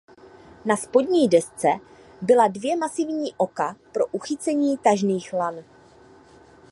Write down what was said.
Na spodní desce byla dvě masivní oka pro uchycení tažných lan.